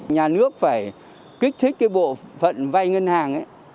nhà nước phải kích thích bộ phận vay ngân hàng